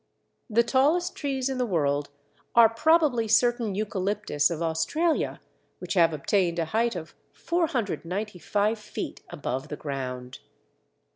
The tallest trees in the world are probably certain Eucalyptus of Australia, which have obtained a height of 495 feet above the ground.